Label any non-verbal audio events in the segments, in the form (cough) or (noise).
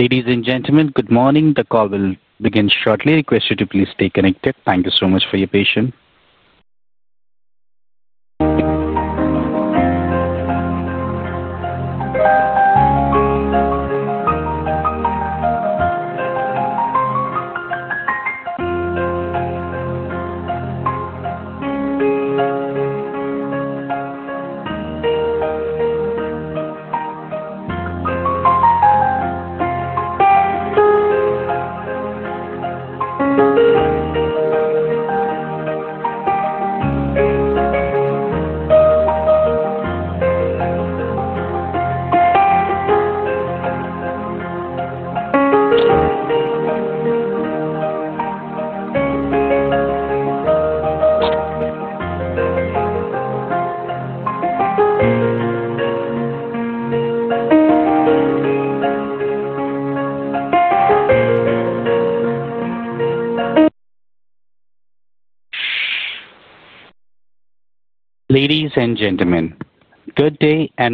Ladies and gentlemen, good morning. The call will begin shortly. I request you to please stay connected. Thank you so much for your patience.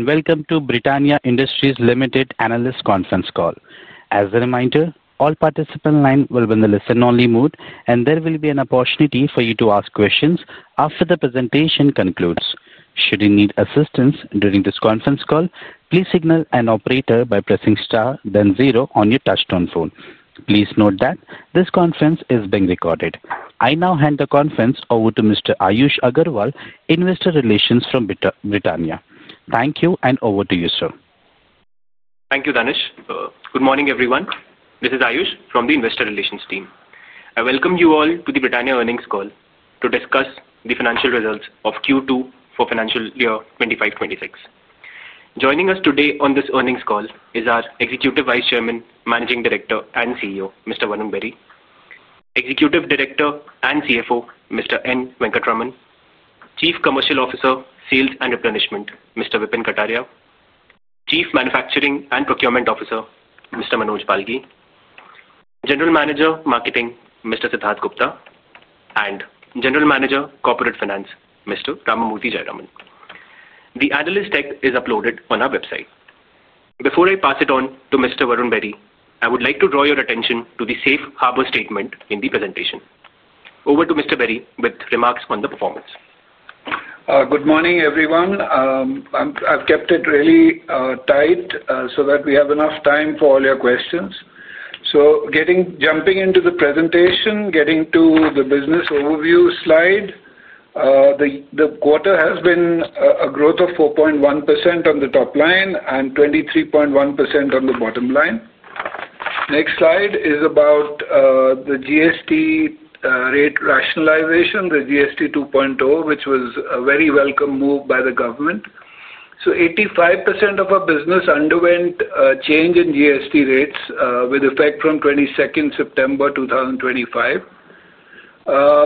Ladies and gentlemen, good day and welcome to Britannia Industries Limited analyst conference call. As a reminder, all participants' lines will be in a listen-only mode, and there will be an opportunity for you to ask questions after the presentation concludes. Should you need assistance during this conference call, please signal an operator by pressing star, then zero on your touch-tone phone. Please note that this conference is being recorded. I now hand the conference over to Mr. Ayush Agarwal, Investor Relations from Britannia. Thank you, and over to you, sir. Thank you, Danish. Good morning, everyone. This is Ayush from the Investor Relations team. I welcome you all to the Britannia Earnings Call to discuss the financial results of Q2 for financial year 2025-2026. Joining us today on this earnings call is our Executive Vice Chairman, Managing Director, and CEO, Mr. Varun Berry, Executive Director and CFO, Mr. N. Venkataraman, Chief Commercial Officer, Sales and Replenishment, Mr. Vipin Kataria, Chief Manufacturing and Procurement Officer, Mr. Manoj Balgi, General Manager, Marketing, Mr. Siddharth Gupta, and General Manager, Corporate Finance, Mr. Ramamurthy Jayaraman. The analyst deck is uploaded on our website. Before I pass it on to Mr. Varun Berry, I would like to draw your attention to the Safe Harbor statement in the presentation. Over to Mr. Berry with remarks on the performance. Good morning, everyone. I've kept it really tight so that we have enough time for all your questions. Jumping into the presentation, getting to the business overview slide. The quarter has been a growth of 4.1% on the top line and 23.1% on the bottom line. Next slide is about the GST rate rationalization, the GST 2.0, which was a very welcome move by the government. 85% of our business underwent a change in GST rates with effect from 22nd September 2025,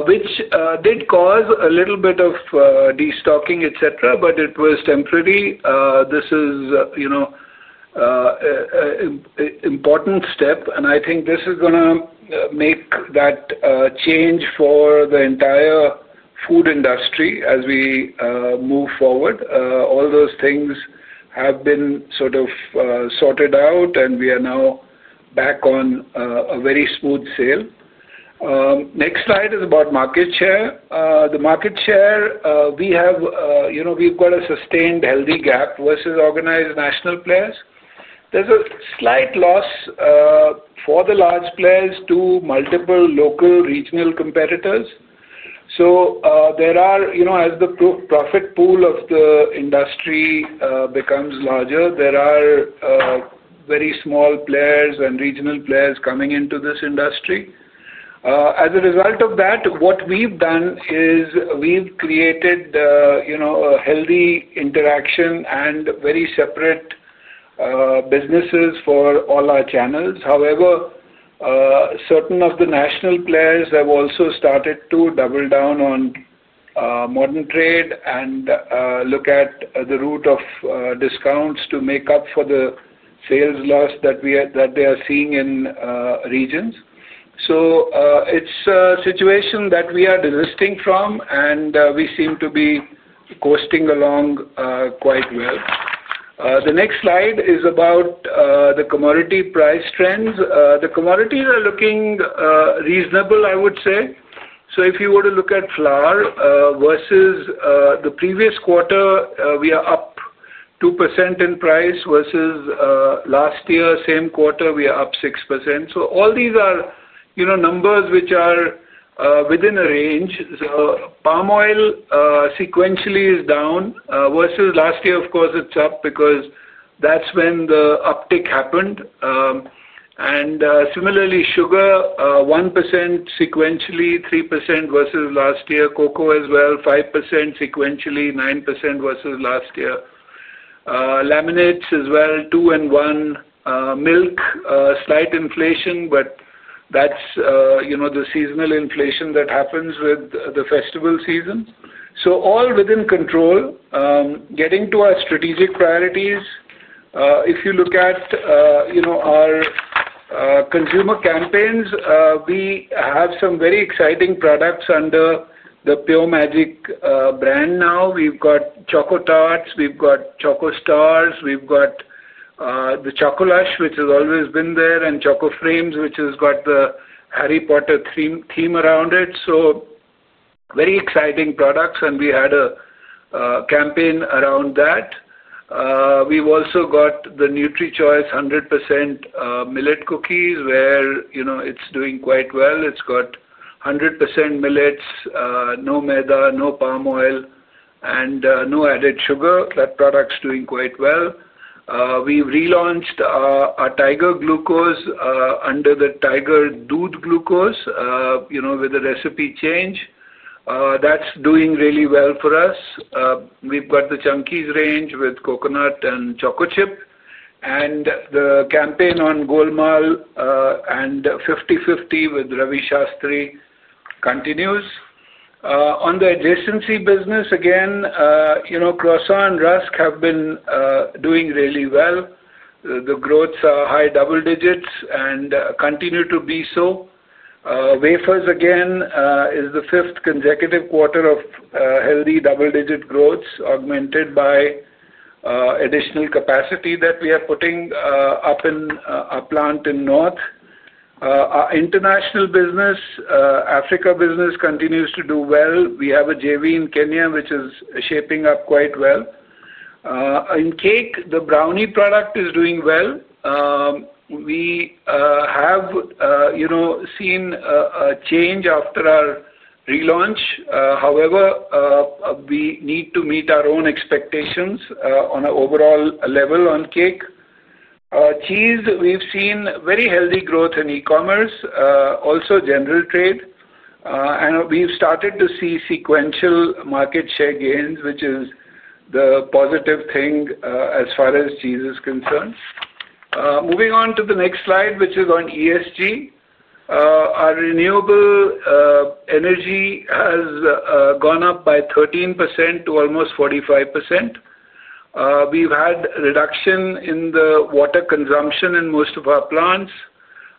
which did cause a little bit of destocking, etc., but it was temporary. This is an important step, and I think this is going to make that change for the entire food industry as we move forward. All those things have been sort of sorted out, and we are now back on a very smooth sail. Next slide is about market share. The market share we have, we've got a sustained healthy gap versus organized national players. There's a slight loss for the large players to multiple local regional competitors. As the profit pool of the industry becomes larger, there are very small players and regional players coming into this industry. As a result of that, what we've done is we've created a healthy interaction and very separate businesses for all our channels. However, certain of the national players have also started to double down on modern trade and look at the route of discounts to make up for the sales loss that they are seeing in regions. It is a situation that we are desisting from, and we seem to be coasting along quite well. The next slide is about the commodity price trends. The commodities are looking reasonable, I would say. If you were to look at flour versus the previous quarter, we are up 2% in price. Versus last year, same quarter, we are up 6%. All these are numbers which are within a range. Palm oil sequentially is down. Versus last year, of course, it is up because that is when the uptick happened. Similarly, sugar 1% sequentially, 3% versus last year. Cocoa as well, 5% sequentially, 9% versus last year. Laminates as well, two and one. Milk, slight inflation, but that is the seasonal inflation that happens with the festival season. All within control. Getting to our strategic priorities. If you look at our consumer campaigns, we have some very exciting products under the Pure Magic brand now. We have got Choco Tarts, we have got Choco Stars, we have got the Chocolush, which has always been there, and Choco Frames, which has got the Harry Potter theme around it. Very exciting products, and we had a campaign around that. We've also got the Nutri Choice 100% millet cookies, where it's doing quite well. It's got 100% millets, no maida, no palm oil, and no added sugar. That product's doing quite well. We've relaunched our Tiger glucose under the Tiger Doodh Glucose with a recipe change. That's doing really well for us. We've got the Chunkies Range with coconut and chocochip. The campaign on Golmaal and 50-50 with Ravi Shastri continues. On the adjacency business, again, croissant and rusk have been doing really well. The growths are high double digits and continue to be so. Wafers, again, is the fifth consecutive quarter of healthy double-digit growths, augmented by. Additional capacity that we are putting up in our plant in North. Our international business. Africa business continues to do well. We have a JV in Kenya which is shaping up quite well. In cake, the brownie product is doing well. We have seen a change after our relaunch. However, we need to meet our own expectations on an overall level on cake. Cheese, we've seen very healthy growth in e-commerce, also general trade. And we've started to see sequential market share gains, which is the positive thing as far as cheese is concerned. Moving on to the next slide, which is on ESG. Our renewable energy has gone up by 13% to almost 45%. We've had a reduction in the water consumption in most of our plants.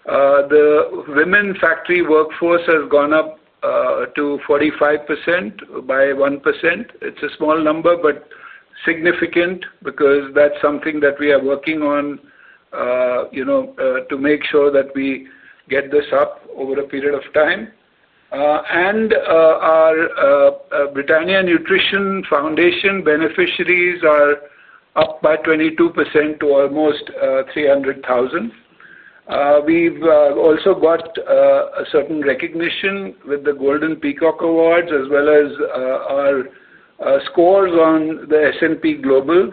The women factory workforce has gone up to 45% by 1%. It's a small number, but significant because that's something that we are working on to make sure that we get this up over a period of time. Our Britannia Nutrition Foundation beneficiaries are up by 22% to almost 300,000. We've also got a certain recognition with the Golden Peacock Awards, as well as our scores on the S&P Global,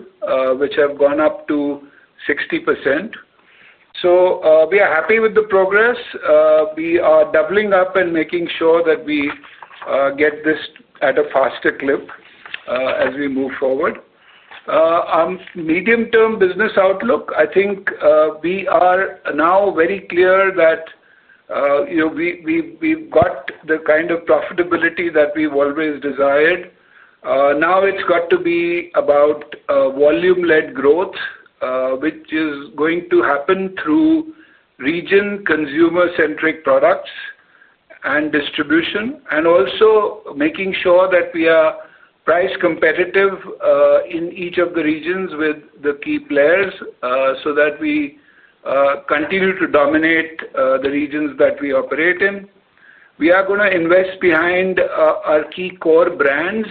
which have gone up to 60%. We are happy with the progress. We are doubling up and making sure that we get this at a faster clip as we move forward. Our medium-term business outlook, I think we are now very clear that we've got the kind of profitability that we've always desired. Now it's got to be about volume-led growth, which is going to happen through region consumer-centric products and distribution, and also making sure that we are price competitive in each of the regions with the key players so that we continue to dominate the regions that we operate in. We are going to invest behind our key core brands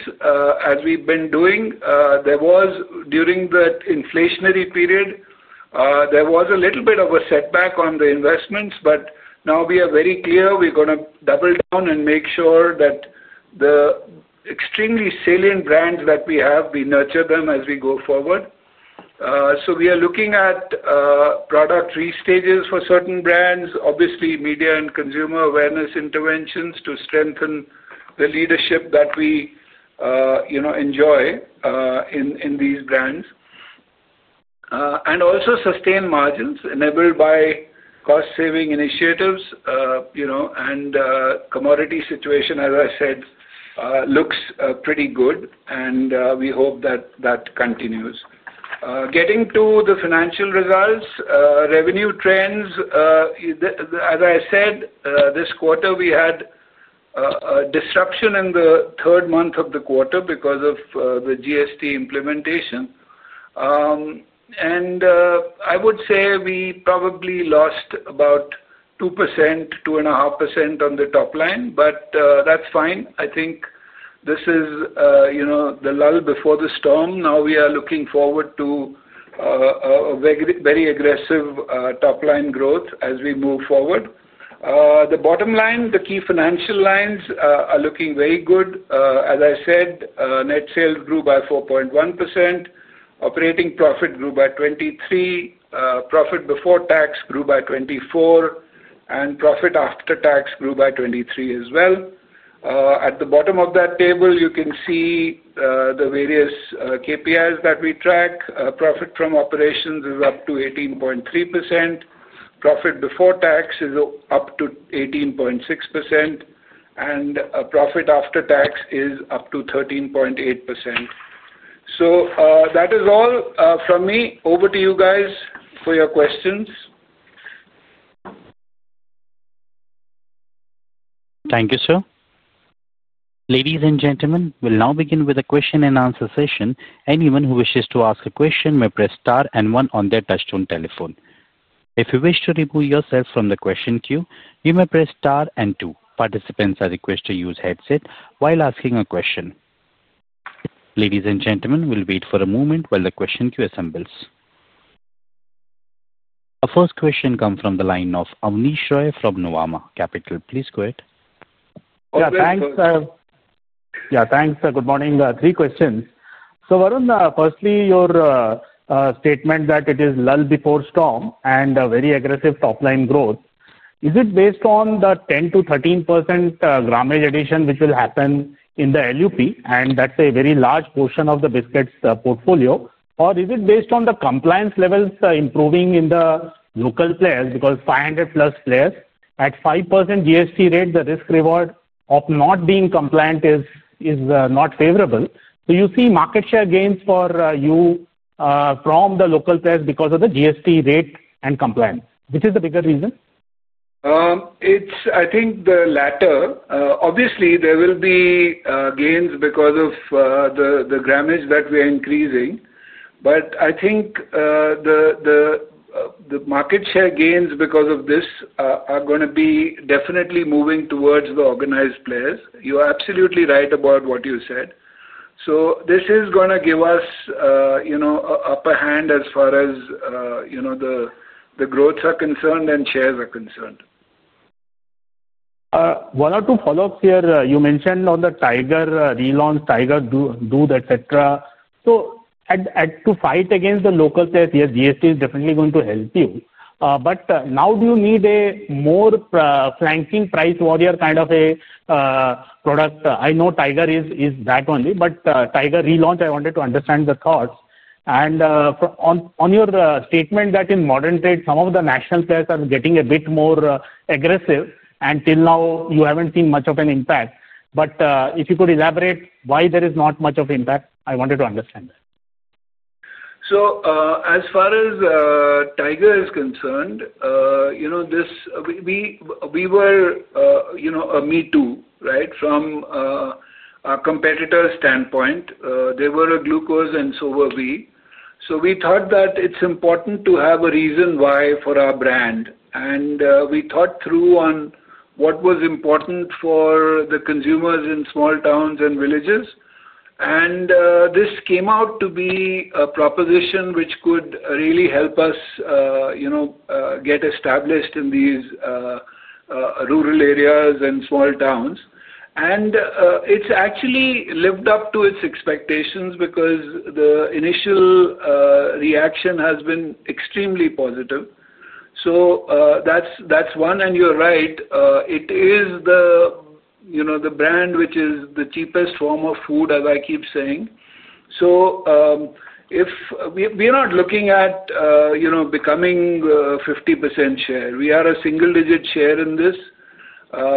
as we've been doing. During the inflationary period, there was a little bit of a setback on the investments, but now we are very clear we're going to double down and make sure that the extremely salient brands that we have, we nurture them as we go forward. We are looking at product restages for certain brands, obviously media and consumer awareness interventions to strengthen the leadership that we enjoy in these brands. Also, sustained margins enabled by cost-saving initiatives. The commodity situation, as I said, looks pretty good, and we hope that that continues. Getting to the financial results, revenue trends. As I said, this quarter we had a disruption in the third month of the quarter because of the GST implementation. I would say we probably lost about 2%-2.5% on the top line, but that's fine. I think this is the lull before the storm. Now we are looking forward to a very aggressive top-line growth as we move forward. The bottom line, the key financial lines are looking very good. As I said, net sales grew by 4.1%. Operating profit grew by 23%, profit before tax grew by 24%, and profit after tax grew by 23% as well. At the bottom of that table, you can see the various KPIs that we track. Profit from operations is up to 18.3%. Profit before tax is up to 18.6%, and profit after tax is up to 13.8%. That is all from me. Over to you guys for your questions. Thank you, sir. Ladies and gentlemen, we'll now begin with a question-and-answer session. Anyone who wishes to ask a question may press star and one on their touch-tone telephone. If you wish to remove yourself from the question queue, you may press star and two. Participants are requested to use headsets while asking a question. Ladies and gentlemen, we'll wait for a moment while the question queue assembles. Our first question comes from the line of Abneesh Roy from Nuvama Capital. Please go ahead. Yeah, thanks. Good morning. Three questions. Varun, firstly, your statement that it is lull before storm and very aggressive top-line growth. Is it based on the 10%-13% gramage addition which will happen in the LUP, and that's a very large portion of the biscuits portfolio, or is it based on the compliance levels improving in the local players? Because 500+ players, at 5% GST rate, the risk-reward of not being compliant is not favorable. You see market share gains for you from the local players because of the GST rate and compliance. Which is the bigger reason? It's, I think, the latter. Obviously, there will be gains because of the gramage that we are increasing. But I think the market share gains because of this are going to be definitely moving towards the organized players. You are absolutely right about what you said. This is going to give us an upper hand as far as the growths are concerned and shares are concerned. One or two follow-ups here. You mentioned on the Tiger relaunch, Tiger Doodh, etc. To fight against the local players, yes, GST is definitely going to help you. Now do you need a more flanking price warrior kind of a product? I know Tiger is that only, but Tiger relaunch, I wanted to understand the thoughts. On your statement that in modern trade, some of the national players are getting a bit more aggressive, and till now, you have not seen much of an impact. If you could elaborate why there is not much of impact, I wanted to understand that. As far as Tiger is concerned, we were a me too, right, from our competitor's standpoint. They were a glucose and so were we. We thought that it's important to have a reason why for our brand. We thought through on what was important for the consumers in small towns and villages, and this came out to be a proposition which could really help us get established in these rural areas and small towns. It's actually lived up to its expectations because the initial reaction has been extremely positive. That's one. You're right, it is the brand which is the cheapest form of food, as I keep saying. We're not looking at becoming 50% share. We are a single-digit share in this.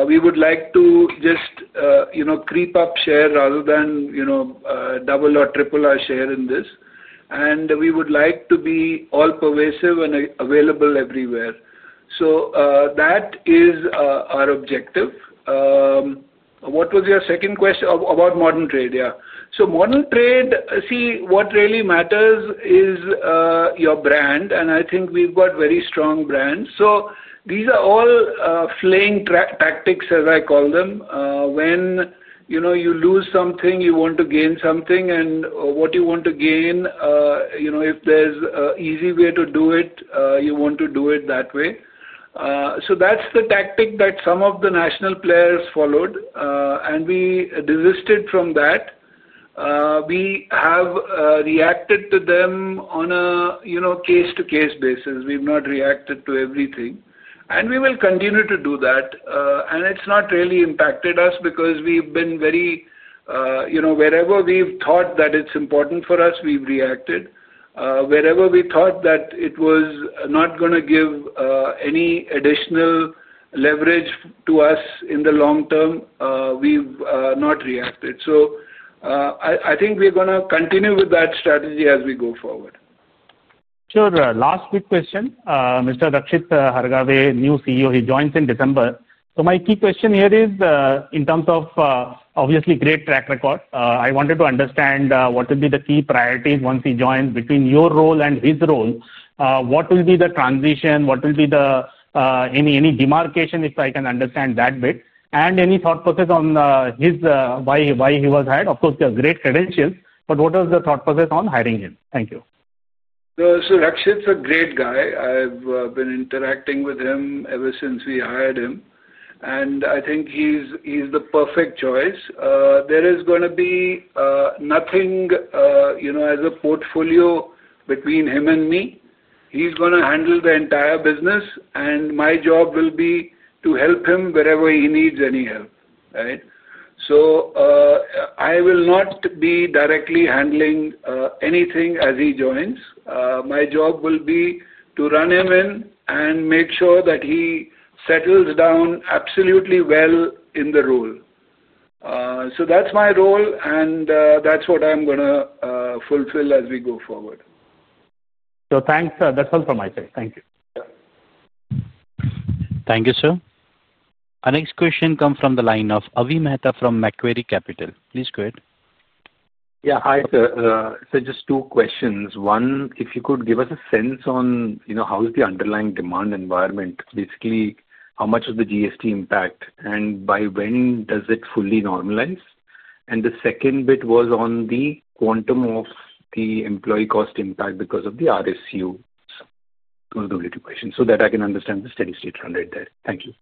We would like to just creep up share rather than double or triple our share in this. We would like to be all-pervasive and available everywhere. That is our objective. What was your second question about modern trade? Yeah. Modern trade, see, what really matters is your brand. I think we have got very strong brands. These are all flaying tactics, as I call them. When you lose something, you want to gain something. What you want to gain, if there is an easy way to do it, you want to do it that way. That is the tactic that some of the national players followed. We resisted from that. We have reacted to them on a case-to-case basis. We have not reacted to everything. We will continue to do that. It has not really impacted us because we have been very, wherever we have thought that it is important for us, we have reacted. Wherever we thought that it was not going to give any additional leverage to us in the long term, we've not reacted. I think we're going to continue with that strategy as we go forward. Sure. Last quick question. Mr. Rakshit Hargave, new CEO, he joins in December. My key question here is, in terms of, obviously, great track record, I wanted to understand what would be the key priorities once he joins between your role and his role. What will be the transition? What will be the, any demarcation, if I can understand that bit? Any thought process on why he was hired? Of course, you have great credentials, but what was the thought process on hiring him? Thank you. Rakshit's a great guy. I've been interacting with him ever since we hired him. I think he's the perfect choice. There is going to be nothing as a portfolio between him and me. He's going to handle the entire business, and my job will be to help him wherever he needs any help, right? I will not be directly handling anything as he joins. My job will be to run him in and make sure that he settles down absolutely well in the role. That's my role, and that's what I'm going to fulfill as we go forward. Thanks. That's all from my side. Thank you. Thank you, sir. Our next question comes from the line of Avi Mehta from Macquarie Capital. Please go ahead. Yeah. Hi, sir. Just two questions. One, if you could give us a sense on how is the underlying demand environment, basically, how much is the GST impact, and by when does it fully normalize? The second bit was on the quantum of the employee cost impact because of the RSU. Those are the only two questions so that I can understand the steady state run right there. Thank you.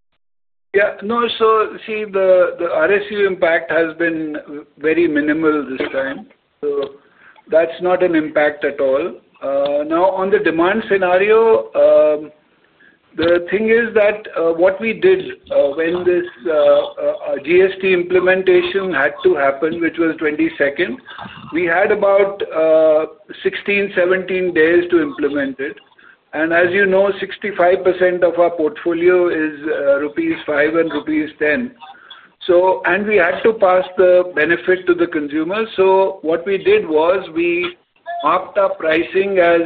Yeah. No. See, the RSU impact has been very minimal this time. That is not an impact at all. Now, on the demand scenario. The thing is that what we did when this GST implementation had to happen, which was 2022, we had about 16, 17 days to implement it. As you know, 65% of our portfolio is rupees 5 and rupees 10. We had to pass the benefit to the consumer. What we did was we marked up pricing as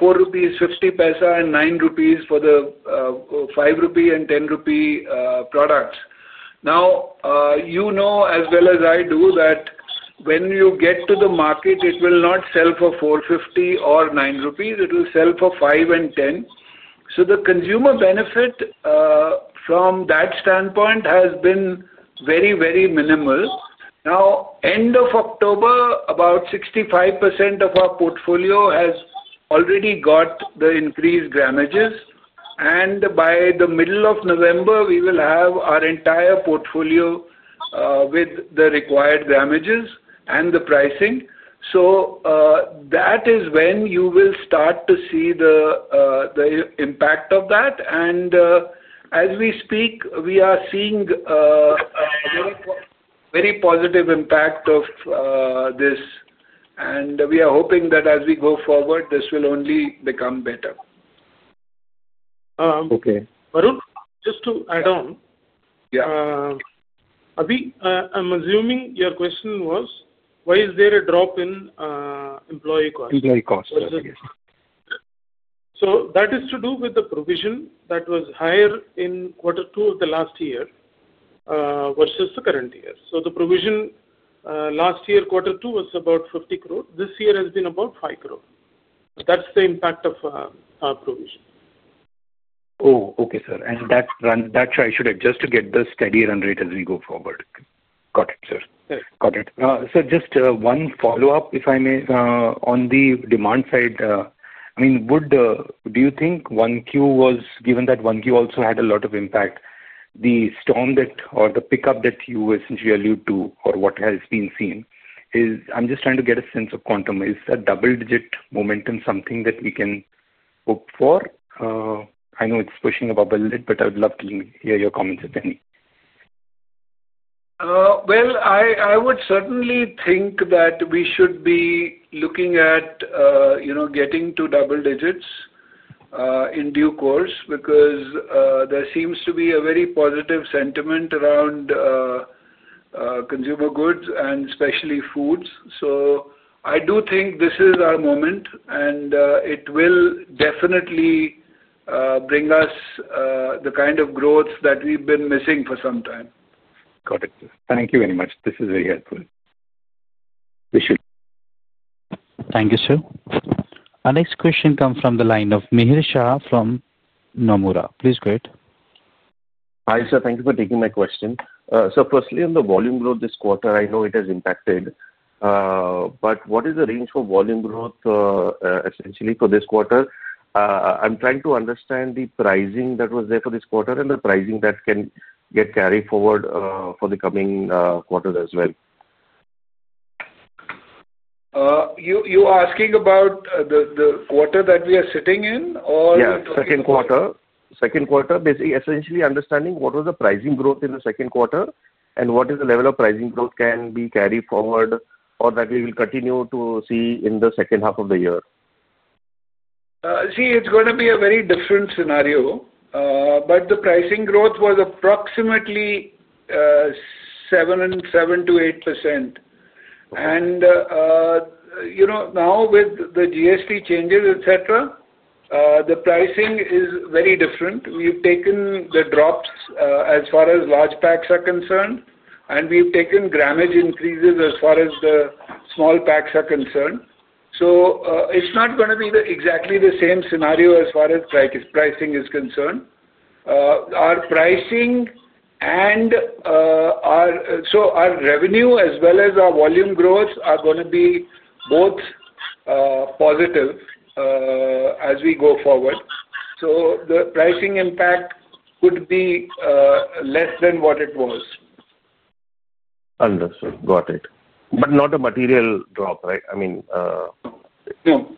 4.50 rupees and 9 rupees for the 5 rupee and 10 rupee products. Now, you know as well as I do that when you get to the market, it will not sell for 4.50 or 9 rupees. It will sell for 5 and 10. The consumer benefit from that standpoint has been very, very minimal. Now, end of October, about 65% of our portfolio has already got the increased gramages. By the middle of November, we will have our entire portfolio with the required gramages and the pricing. That is when you will start to see the impact of that. As we speak, we are seeing a very positive impact of this. We are hoping that as we go forward, this will only become better. Okay. Varun, just to add on. Yeah. Avi, I'm assuming your question was, why is there a drop in employee cost? Employee cost, yes. That is to do with the provision that was higher in quarter two of the last year versus the current year. The provision last year, quarter two, was about 50 crore. This year has been about 5 crore. That is the impact of our provision. Oh, okay, sir. That is why I should adjust to get the steady run rate as we go forward. Got it, sir. Got it. Just one follow-up, if I may, on the demand side. I mean, do you think one Q was, given that one Q also had a lot of impact, the storm or the pickup that you essentially allude to or what has been seen is, I am just trying to get a sense of quantum. Is that double-digit momentum something that we can hope for? I know it's pushing above a little bit, but I would love to hear your comments if any. I would certainly think that we should be looking at getting to double digits in due course because there seems to be a very positive sentiment around consumer goods and especially foods. I do think this is our moment, and it will definitely bring us the kind of growth that we've been missing for some time. Got it. Thank you very much. This is very helpful. Appreciate it. Thank you, sir. Our next question comes from the line of Mihir Shah from Nomura. Please go ahead. Hi, sir. Thank you for taking my question. Firstly, on the volume growth this quarter, I know it has impacted. What is the range for volume growth, essentially for this quarter? I am trying to understand the pricing that was there for this quarter and the pricing that can get carried forward for the coming quarters as well. You are asking about the quarter that we are sitting in? Yeah, second quarter. Second quarter, basically essentially understanding what was the pricing growth in the second quarter and what is the level of pricing growth can be carried forward or that we will continue to see in the second half of the year. See, it's going to be a very different scenario. The pricing growth was approximately 7%-8%. Now with the GST changes, etc., the pricing is very different. We've taken the drops as far as large packs are concerned, and we've taken gramage increases as far as the small packs are concerned. It's not going to be exactly the same scenario as far as pricing is concerned. Our pricing and our revenue as well as our volume growth are going to be both positive as we go forward. The pricing impact could be less than what it was. Understood. Got it. Not a material drop, right? No.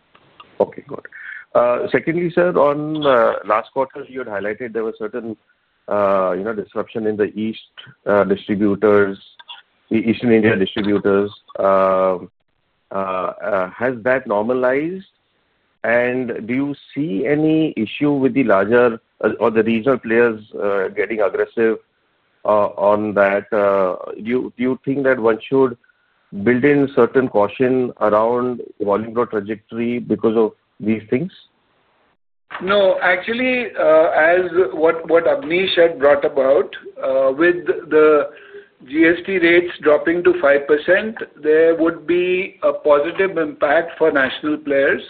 Okay. Got it. Secondly, sir, on the last quarter, you had highlighted there was certain disruption in the East. Distributors. Eastern India distributors. Has that normalized? Do you see any issue with the larger or the regional players getting aggressive on that? Do you think that one should build in certain caution around the volume growth trajectory because of these things? No. Actually, as what [Abneesh] brought about with the GST rates dropping to 5%, there would be a positive impact for national players.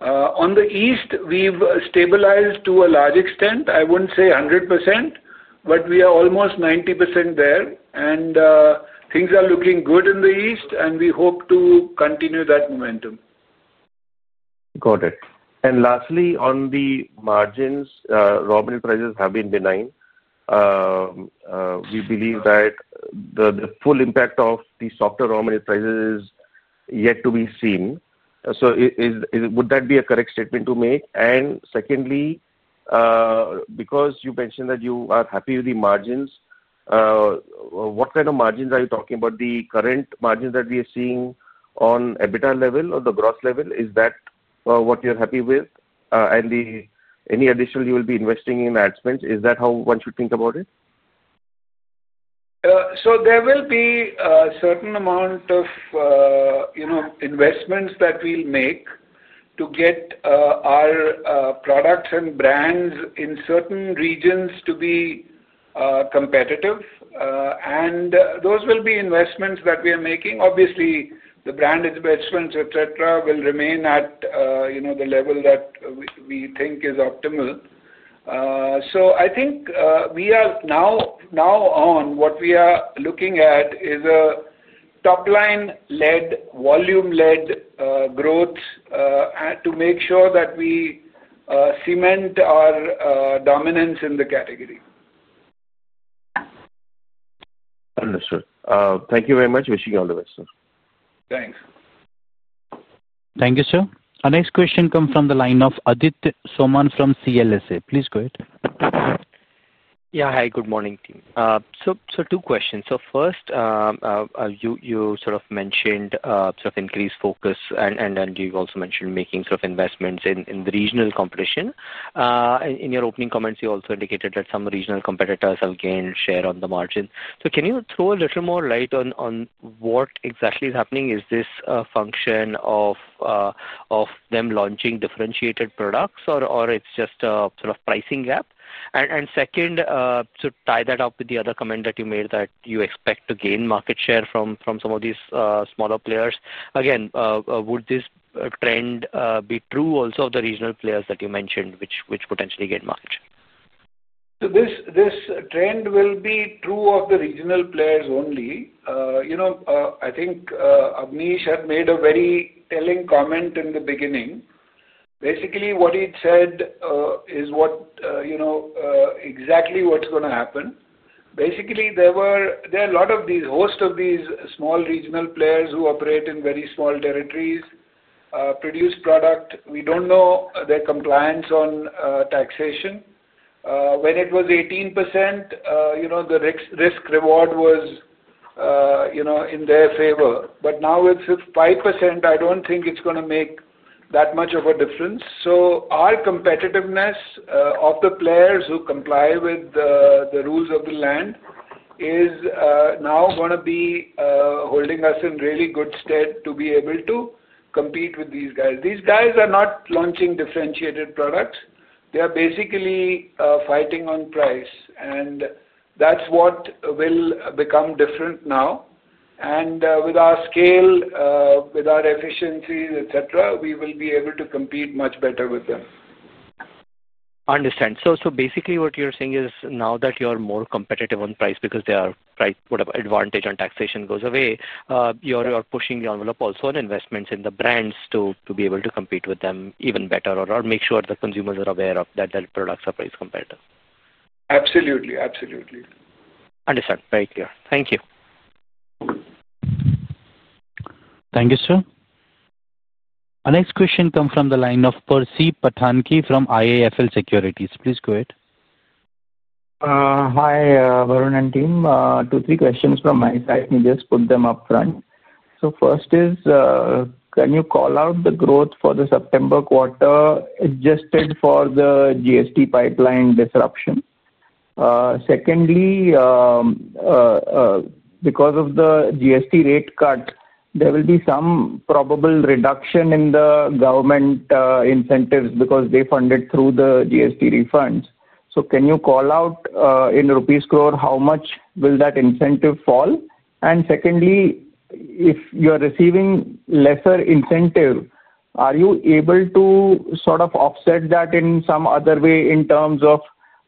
On the East, we've stabilized to a large extent. I would not say 100%, but we are almost 90% there. Things are looking good in the East, and we hope to continue that momentum. Got it. Lastly, on the margins, raw material prices have been benign. We believe that the full impact of the softer raw material prices is yet to be seen. Would that be a correct statement to make? Secondly, because you mentioned that you are happy with the margins, what kind of margins are you talking about? The current margins that we are seeing on EBITDA level or the gross level, is that what you're happy with? Any additional you will be investing in ad spends, is that how one should think about it? There will be a certain amount of investments that we'll make to get our products and brands in certain regions to be competitive. Those will be investments that we are making. Obviously, the brand investments, etc., will remain at the level that we think is optimal. I think we are now on what we are looking at is a top-line-led, volume-led growth. To make sure that we cement our dominance in the category. Understood. Thank you very much. Wishing you all the best, sir. Thanks. Thank you, sir. Our next question comes from the line of Aditya Soman from CLSA. Please go ahead. Yeah. Hi, good morning, team. Two questions. First, you sort of mentioned increased focus, and then you also mentioned making investments in the regional competition. In your opening comments, you also indicated that some regional competitors have gained share on the margin. Can you throw a little more light on what exactly is happening? Is this a function of them launching differentiated products, or is it just a pricing gap? Second, to tie that up with the other comment that you made, that you expect to gain market share from some of these smaller players, again, would this trend be true also of the regional players that you mentioned, which potentially gain market share? This trend will be true of the regional players only. I think Abneesh made a very telling comment in the beginning. Basically, what he said is what exactly is going to happen. There are a lot of these hosts of these small regional players who operate in very small territories, produce product. We do not know their compliance on taxation. When it was 18%, the risk-reward was in their favor. Now it is 5%. I do not think it is going to make that much of a difference. Our competitiveness of the players who comply with the rules of the land is now going to be holding us in really good stead to be able to compete with these guys. These guys are not launching differentiated products. They are basically fighting on price, and that is what will become different now. With our scale, with our efficiencies, etc., we will be able to compete much better with them. Understand. So basically, what you're saying is now that you're more competitive on price because their advantage on taxation goes away, you're pushing the envelope also on investments in the brands to be able to compete with them even better or make sure the consumers are aware that their products are price competitive. Absolutely. Absolutely. Understood. Very clear. Thank you. Thank you, sir. Our next question comes from the line of Percy Panthaki from IIFL Securities. Please go ahead. Hi, Varun and team. Two or three questions from my side. Let me just put them up front. First is, can you call out the growth for the September quarter adjusted for the GST pipeline disruption? Secondly, because of the GST rate cut, there will be some probable reduction in the government incentives because they fund it through the GST refunds. Can you call out in rupees crore how much will that incentive fall? Secondly, if you are receiving lesser incentive, are you able to sort of offset that in some other way in terms of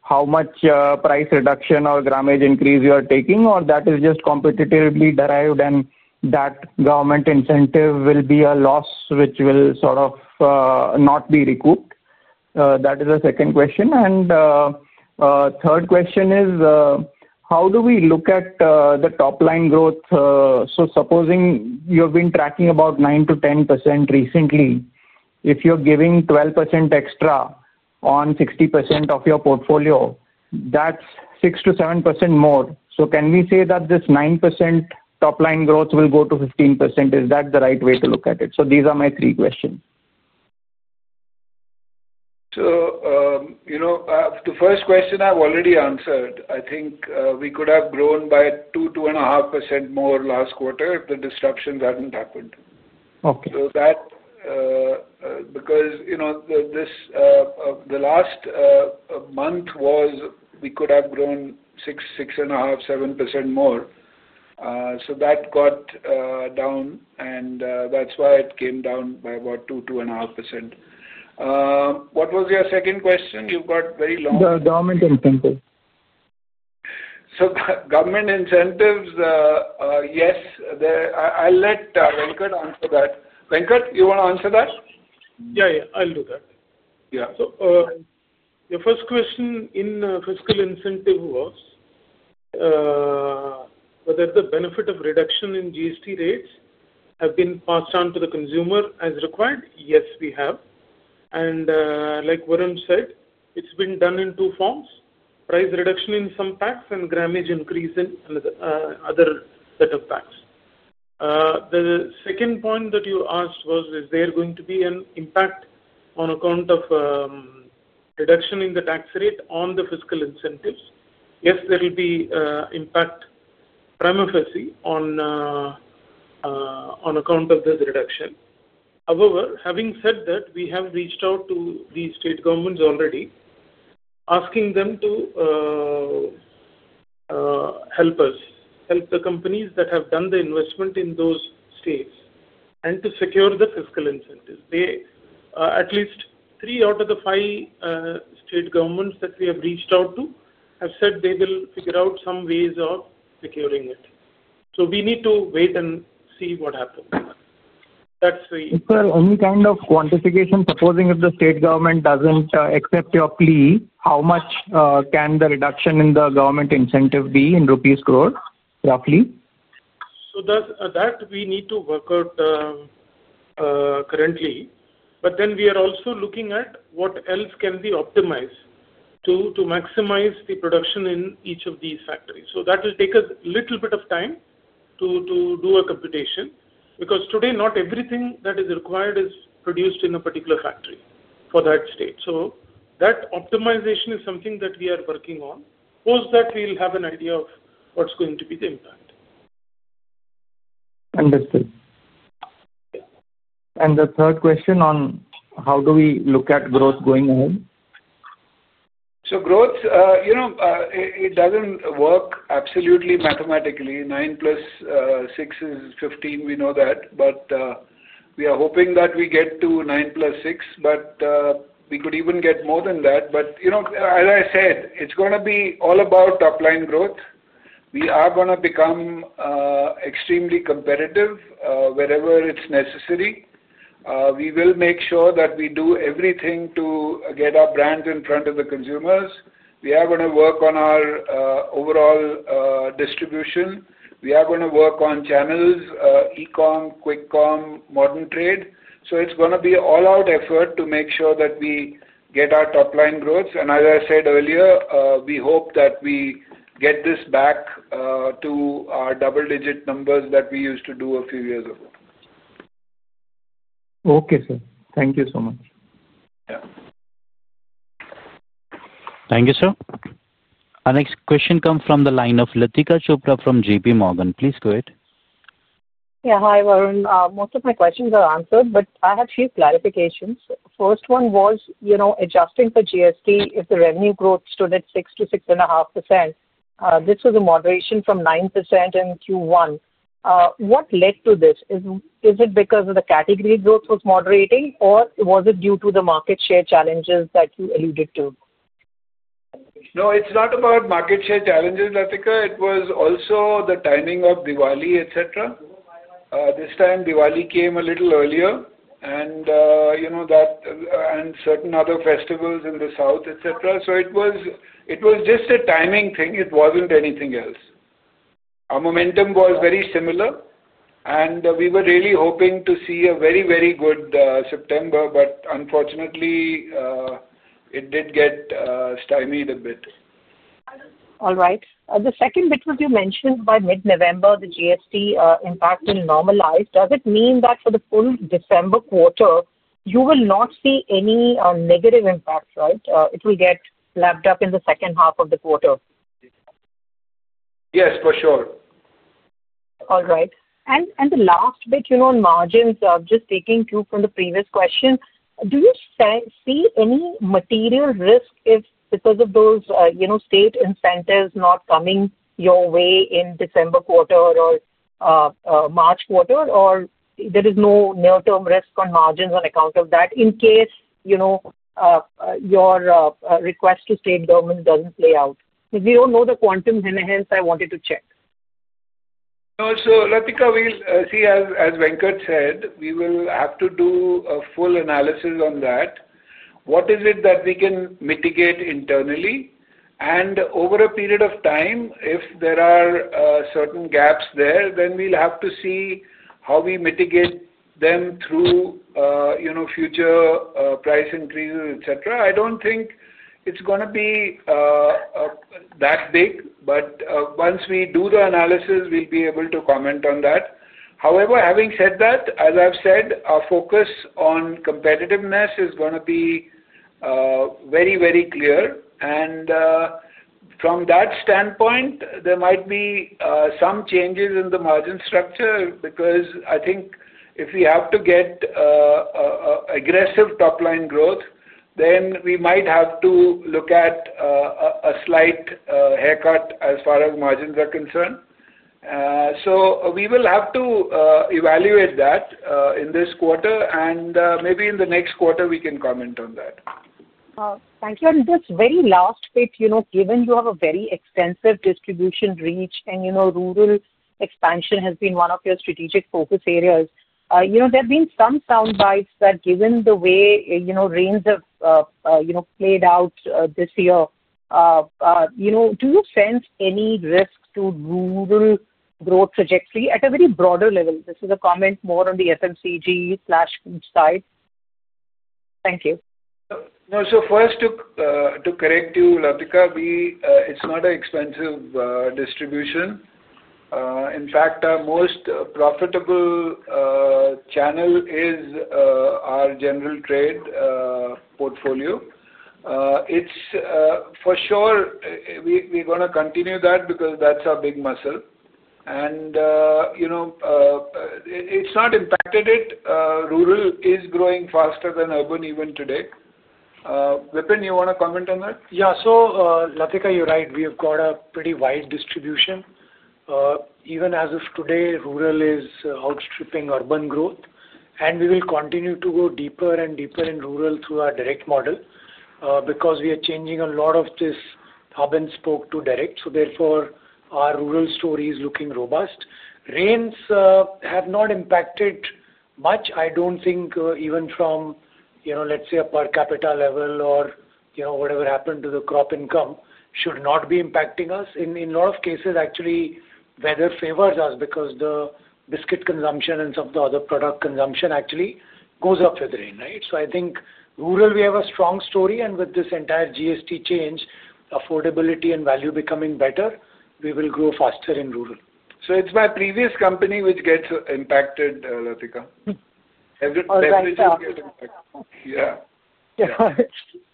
how much price reduction or gramage increase you are taking, or that is just competitively derived and that government incentive will be a loss which will sort of not be recouped? That is the second question. Third question is, how do we look at the top-line growth? Supposing you have been tracking about 9%-10% recently, if you're giving 12% extra on 60% of your portfolio, that's 6%-7% more. Can we say that this 9% top-line growth will go to 15%? Is that the right way to look at it? These are my three questions. The first question I've already answered. I think we could have grown by 2%, 2.5% more last quarter if the disruptions hadn't happened. That is because the last month was, we could have grown 6%, 6.5%, 7% more. That got down, and that's why it came down by about 2%, 2.5%. What was your second question? You've got very long. The government incentives. Government incentives. Yes. I'll let Venkat answer that. Venkat, you want to answer that? Yeah, yeah. I'll do that. Your first question in fiscal incentive was whether the benefit of reduction in GST rates have been passed on to the consumer as required. Yes, we have. Like Varun said, it's been done in two forms: price reduction in some packs and gramage increase in another set of packs. The second point that you asked was, is there going to be an impact on account of reduction in the tax rate on the fiscal incentives. Yes, there will be impact, primacy on account of the reduction. However, having said that, we have reached out to the state governments already, asking them to help us, help the companies that have done the investment in those states, and to secure the fiscal incentives. At least three out of the five state governments that we have reached out to have said they will figure out some ways of securing it. We need to wait and see what happens. Any kind of quantification, supposing if the state government does not accept your plea, how much can the reduction in the government incentive be in rupees crore, roughly? That we need to work out currently. We are also looking at what else can be optimized to maximize the production in each of these factories. That will take us a little bit of time to do a computation because today not everything that is required is produced in a particular factory for that state. That optimization is something that we are working on. Post that, we'll have an idea of what's going to be the impact. Understood. The third question on how do we look at growth going ahead? Growth. It does not work absolutely mathematically. 9 + 6 is 15, we know that. We are hoping that we get to 9 + 6, but we could even get more than that. As I said, it is going to be all about top-line growth. We are going to become extremely competitive wherever it is necessary. We will make sure that we do everything to get our brand in front of the consumers. We are going to work on our overall distribution. We are going to work on channels, e-com, quick com, modern trade. It is going to be an all-out effort to make sure that we get our top-line growth. As I said earlier, we hope that we get this back to our double-digit numbers that we used to do a few years ago. Okay, sir. Thank you so much. Yeah. Thank you, sir. Our next question comes from the line of Latika Chopra from JPMorgan. Please go ahead. Yeah. Hi, Varun. Most of my questions are answered, but I have a few clarifications. First one was, adjusting for GST, if the revenue growth stood at 6%-6.5%. This was a moderation from 9% in Q1. What led to this? Is it because the category growth was moderating, or was it due to the market share challenges that you alluded to? No, it's not about market share challenges, Latika. It was also the timing of Diwali, etc. This time, Diwali came a little earlier, and certain other festivals in the south, etc. It was just a timing thing. It wasn't anything else. Our momentum was very similar, and we were really hoping to see a very, very good September, but unfortunately, it did get stymied a bit. All right. The second bit was you mentioned by mid-November the GST impact will normalize. Does it mean that for the full December quarter, you will not see any negative impact, right? It will get lapped up in the second half of the quarter? Yes, for sure. All right. The last bit on margins, just taking two from the previous question, do you see any material risk because of those state incentives not coming your way in December quarter or March quarter, or there is no near-term risk on margins on account of that in case your request to state government doesn't play out? We don't know the quantum hinterhand, so I wanted to check. No, so Latika, as Venkat said, we will have to do a full analysis on that. What is it that we can mitigate internally? And over a period of time, if there are certain gaps there, then we'll have to see how we mitigate them through future price increases, etc. I don't think it's going to be that big, but once we do the analysis, we'll be able to comment on that. However, having said that, as I've said, our focus on competitiveness is going to be very, very clear. From that standpoint, there might be some changes in the margin structure because I think if we have to get aggressive top-line growth, then we might have to look at a slight haircut as far as margins are concerned. We will have to evaluate that in this quarter, and maybe in the next quarter, we can comment on that. Thank you. Just very last bit, given you have a very extensive distribution reach and rural expansion has been one of your strategic focus areas, there have been some soundbites that given the way rains have played out this year. Do you sense any risk to rural growth trajectory at a very broader level? This is a comment more on the FMCG/food side. Thank you. No, so first to correct you, Latika, it is not an expensive distribution. In fact, our most profitable channel is our general trade portfolio. For sure, we are going to continue that because that is our big muscle. It has not impacted it. Rural is growing faster than urban even today. Vipin, you want to comment on that? Yeah. Latika, you're right. We have got a pretty wide distribution. Even as of today, rural is outstripping urban growth. We will continue to go deeper and deeper in rural through our direct model because we are changing a lot of this urban spoke to direct. Therefore, our rural story is looking robust. Rains have not impacted much. I do not think even from, let's say, a per capita level or whatever happened to the crop income should not be impacting us. In a lot of cases, actually, weather favors us because the biscuit consumption and some of the other product consumption actually goes up with the rain, right? I think rural, we have a strong story. With this entire GST change, affordability and value becoming better, we will grow faster in rural. It's my previous company which gets impacted, Latika. Everything gets impacted. Yeah.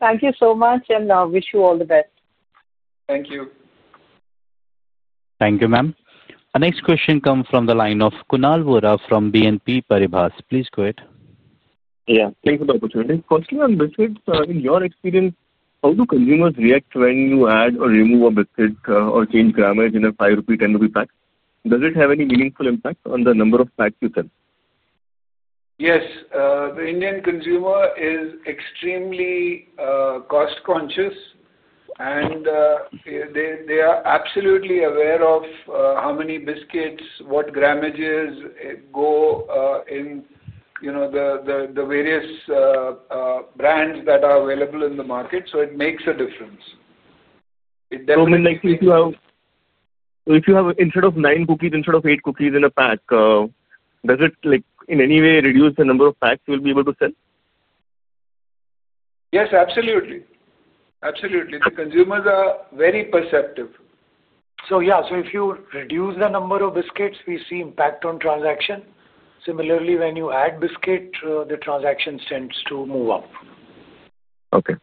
Thank you so much, and I wish you all the best. Thank you. Thank you, ma'am. Our next question comes from the line of Kunal Vora from BNP Paribas. Please go ahead. Yeah. Thanks for the opportunity. Question on biscuits. In your experience, how do consumers react when you add or remove a biscuit or change gramage in a 5 rupee, 10 rupee pack? Does it have any meaningful impact on the number of packs you sell? Yes. The Indian consumer is extremely cost-conscious, and they are absolutely aware of how many biscuits, what gramages go in the various brands that are available in the market. It makes a difference. If you have, instead of nine cookies, instead of eight cookies in a pack, does it in any way reduce the number of packs you'll be able to sell? Yes, absolutely. Absolutely. The consumers are very perceptive. Yeah. If you reduce the number of biscuits, we see impact on transaction. Similarly, when you add biscuit, the transaction tends to move up. Okay.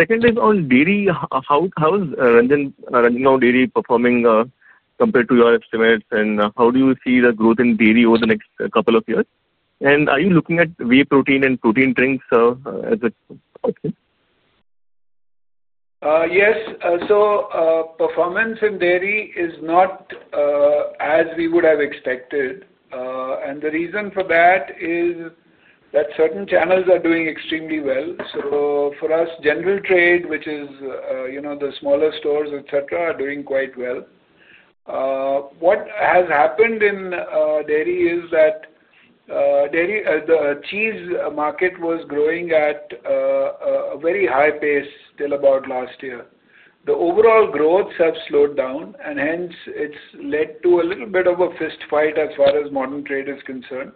Second is on dairy. How is Ranjangaon dairy performing compared to your estimates? How do you see the growth in dairy over the next couple of years? Are you looking at whey protein and protein drinks as a? (audio distortion) Yes. Performance in dairy is not as we would have expected. The reason for that is that certain channels are doing extremely well. For us, general trade, which is the smaller stores, etc., are doing quite well. What has happened in dairy is that the cheese market was growing at a very high pace till about last year. The overall growth has slowed down, and hence it has led to a little bit of a fistfight as far as modern trade is concerned.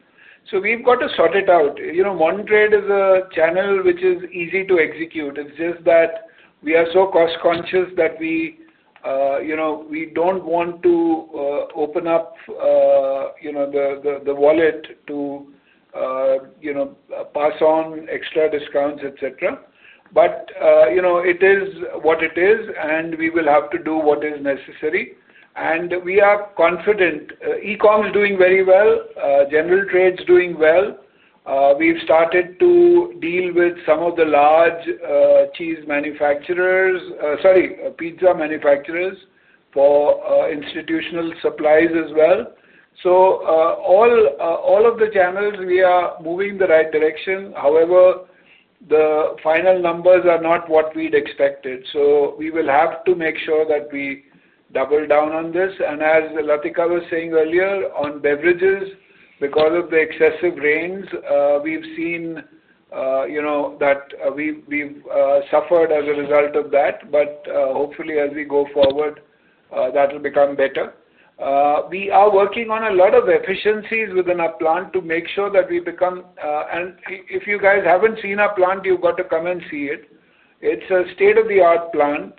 We have got to sort it out. Modern trade is a channel which is easy to execute. It is just that we are so cost-conscious that we do not want to open up the wallet to pass on extra discounts, etc. It is what it is, and we will have to do what is necessary. We are confident. E-com is doing very well. General trade is doing well. We've started to deal with some of the large cheese manufacturers—sorry, pizza manufacturers—for institutional supplies as well. All of the channels, we are moving in the right direction. However, the final numbers are not what we'd expected. We will have to make sure that we double down on this. As Latika was saying earlier, on beverages, because of the excessive rains, we've seen that we've suffered as a result of that. Hopefully, as we go forward, that will become better. We are working on a lot of efficiencies within our plant to make sure that we become— If you guys haven't seen our plant, you've got to come and see it. It's a state-of-the-art plant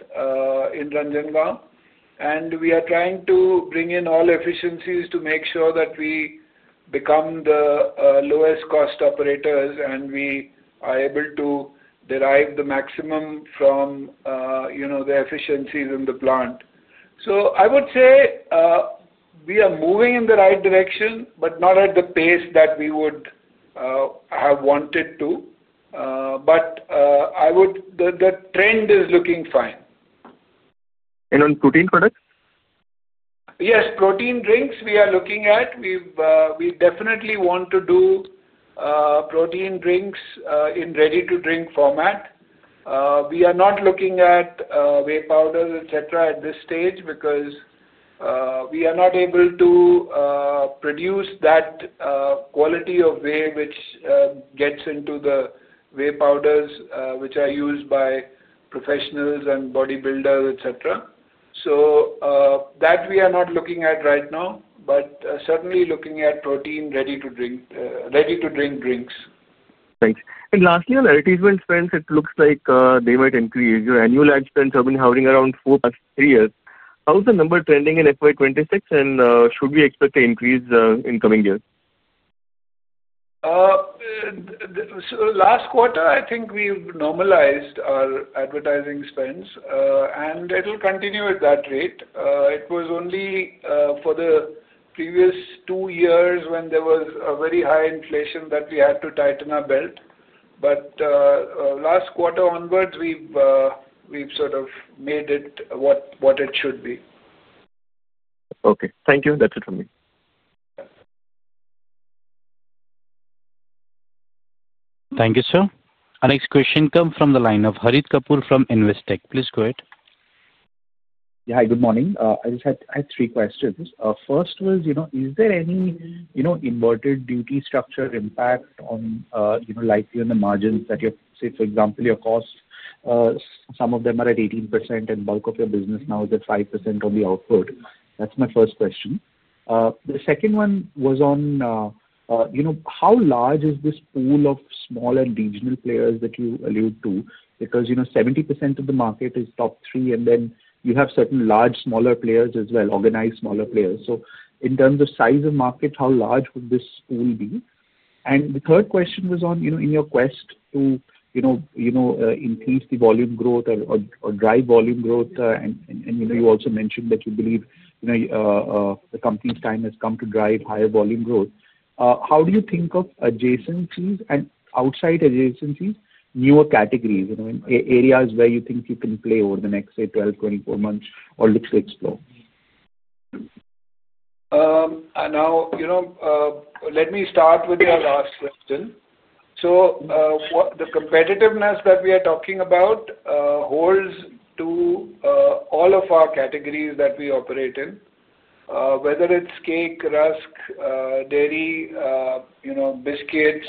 in Ranjangaon. We are trying to bring in all efficiencies to make sure that we become the lowest cost operators, and we are able to derive the maximum from the efficiencies in the plant. I would say we are moving in the right direction, but not at the pace that we would have wanted to. The trend is looking fine. On protein products? Yes. Protein drinks, we are looking at. We definitely want to do. Protein drinks in ready-to-drink format. We are not looking at whey powders, etc., at this stage because we are not able to produce that quality of whey which gets into the whey powders which are used by professionals and bodybuilders, etc. That we are not looking at right now, but certainly looking at protein ready-to-drink drinks. Great. Lastly, on heritage wealth spends, it looks like they might increase. Your annual ad spends have been hovering around 4. Last three years. How is the number trending in FY 2026, and should we expect to increase in coming years? Last quarter, I think we've normalized our advertising spends, and it'll continue at that rate. It was only for the previous two years when there was a very high inflation that we had to tighten our belt. Last quarter onwards, we've sort of made it what it should be. Okay. Thank you. That's it from me. Thank you, sir. Our next question comes from the line of Harit Kapoor from Investec. Please go ahead. Yeah. Hi, good morning. I just had three questions. First was, is there any inverted duty structure impact on, likely on the margins that you have, say, for example, your costs? Some of them are at 18%, and bulk of your business now is at 5% on the output. That's my first question. The second one was on how large is this pool of small and regional players that you allude to? Because 70% of the market is top three, and then you have certain large, smaller players as well, organized smaller players. In terms of size of market, how large would this pool be? The third question was on, in your quest to increase the volume growth or drive volume growth, and you also mentioned that you believe the company's time has come to drive higher volume growth. How do you think of adjacencies and outside adjacencies, newer categories, areas where you think you can play over the next, say, 12-24 months or look to explore? Now, let me start with your last question. The competitiveness that we are talking about holds to all of our categories that we operate in, whether it's cake, rusk, dairy, biscuits,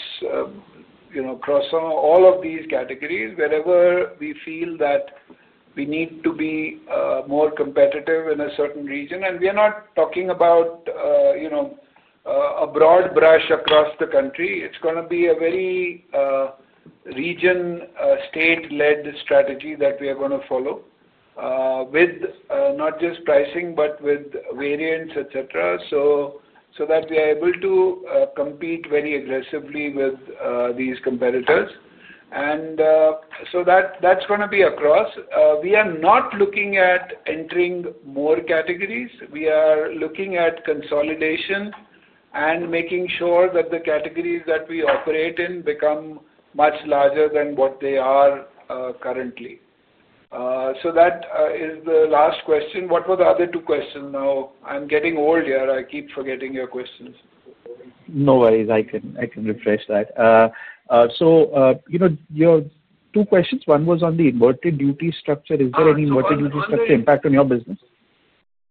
croissant, all of these categories. Wherever we feel that we need to be more competitive in a certain region, and we are not talking about a broad brush across the country, it's going to be a very region, state-led strategy that we are going to follow with not just pricing, but with variants, etc., so that we are able to compete very aggressively with these competitors. That's going to be across. We are not looking at entering more categories. We are looking at consolidation and making sure that the categories that we operate in become much larger than what they are currently. That is the last question. What were the other two questions? Now, I'm getting old here. I keep forgetting your questions. No worries. I can refresh that. Your two questions, one was on the inverted duty structure. Is there any inverted duty structure impact on your business?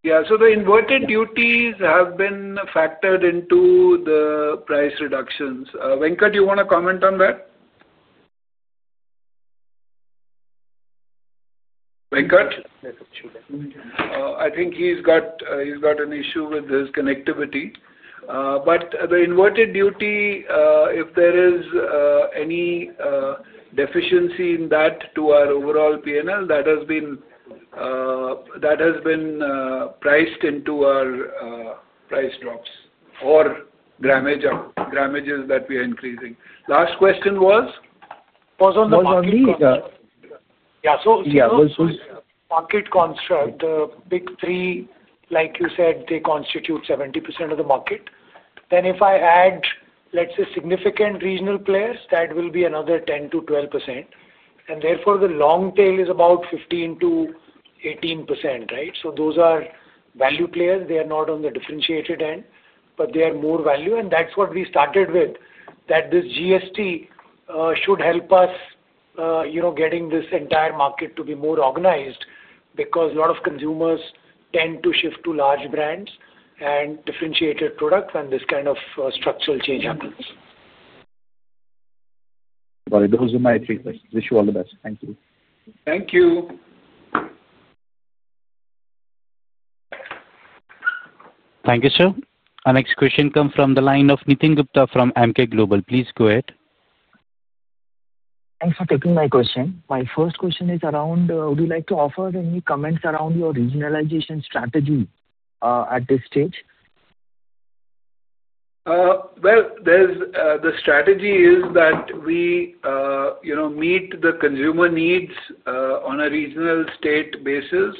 Yeah. So the inverted duties have been factored into the price reductions. Venkat, do you want to comment on that? Venkat? I think he's got an issue with his connectivity. The inverted duty, if there is any deficiency in that to our overall P&L, that has been priced into our price drops or gramages that we are increasing. Last question was? Was on the market. Yeah. So your market construct, the big three, like you said, they constitute 70% of the market. Then if I add, let's say, significant regional players, that will be another 10%-12%. Therefore, the long tail is about 15%-18%, right? Those are value players. They are not on the differentiated end, but they are more value. That is what we started with, that this GST should help us. Getting this entire market to be more organized because a lot of consumers tend to shift to large brands and differentiated products when this kind of structural change happens. Got it. Those are my three questions. Wish you all the best. Thank you. Thank you. Thank you, sir. Our next question comes from the line of Nitin Gupta from Emkay Global. Please go ahead. Thanks for taking my question. My first question is around, would you like to offer any comments around your regionalization strategy at this stage? The strategy is that we meet the consumer needs on a regional state basis.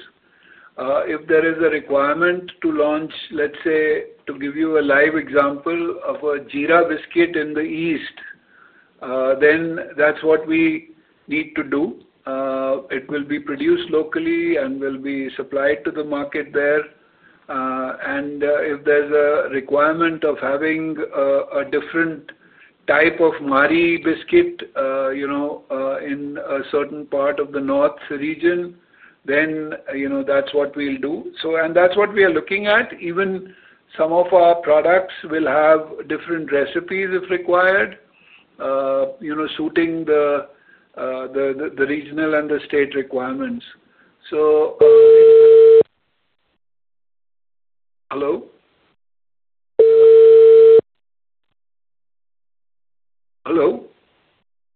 If there is a requirement to launch, let's say, to give you a live example of a Jira biscuit in the east, that is what we need to do. It will be produced locally and will be supplied to the market there. If there is a requirement of having a different type of Marie biscuit in a certain part of the north region, that is what we will do. That is what we are looking at. Even some of our products will have different recipes if required, suiting the regional and the state requirements. Hello? Hello?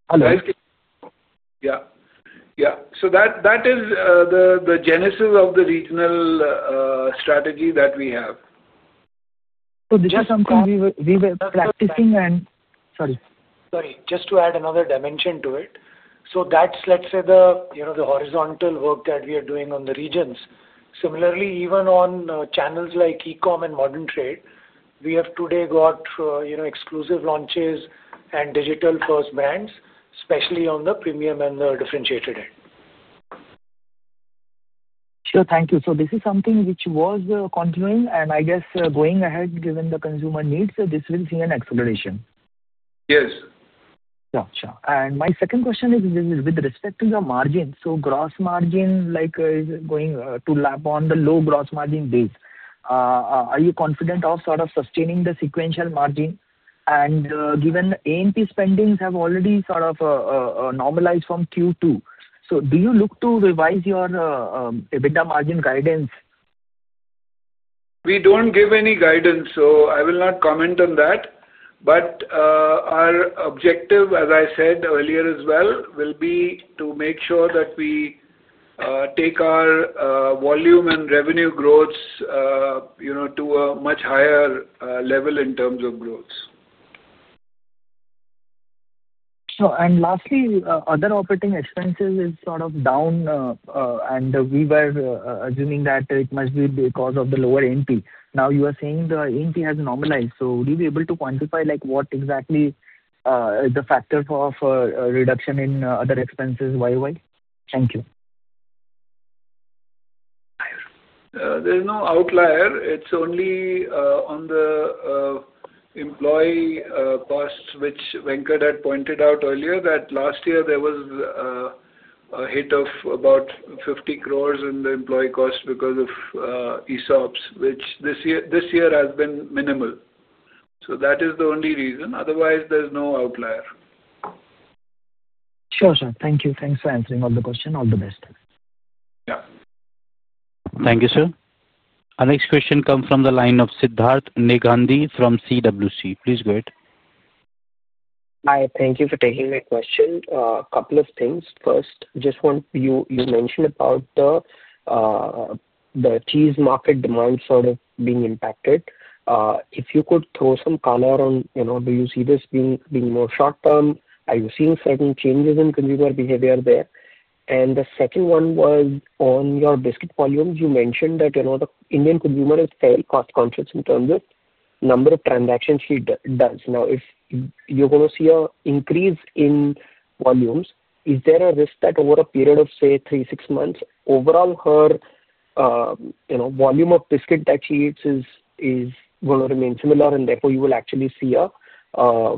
Hello. Nice. Yeah. Yeah. So that is the genesis of the regional strategy that we have. This is something we were practicing and sorry. Sorry. Just to add another dimension to it. That is, let's say, the horizontal work that we are doing on the regions. Similarly, even on channels like e-com and modern trade, we have today got exclusive launches and digital-first brands, especially on the premium and the differentiated end. Sure. Thank you. This is something which was continuing, and I guess going ahead, given the consumer needs, this will see an acceleration. Yes. Gotcha. My second question is with respect to your margin. Gross margin is going to lap on the low gross margin base. Are you confident of sort of sustaining the sequential margin? Given A&P spendings have already sort of normalized from Q2, do you look to revise your EBITDA margin guidance? We do not give any guidance, so I will not comment on that. Our objective, as I said earlier as well, will be to make sure that we take our volume and revenue growths to a much higher level in terms of growth. Sure. Lastly, other operating expenses are sort of down. We were assuming that it must be because of the lower A&P. Now, you are saying the A&P has normalized. Would you be able to quantify what exactly is the factor for reduction in other expenses YOY? Thank you. There's no outlier. It's only on the employee costs, which Venkat had pointed out earlier, that last year there was a hit of about 50 crore in the employee cost because of ESOPs, which this year has been minimal. That is the only reason. Otherwise, there's no outlier. Sure, sir. Thank you. Thanks for answering all the questions. All the best. Yeah. Thank you, sir. Our next question comes from the line of Sidharth Negandhi from CWC. Please go ahead. Hi. Thank you for taking my question. A couple of things. First, just want you to mention about the cheese market demand sort of being impacted. If you could throw some color on, do you see this being more short-term? Are you seeing certain changes in consumer behavior there? The second one was on your biscuit volumes. You mentioned that the Indian consumer is fairly cost-conscious in terms of the number of transactions she does. Now, if you're going to see an increase in volumes, is there a risk that over a period of, say, three, six months, overall her volume of biscuit that she eats is going to remain similar, and therefore you will actually see a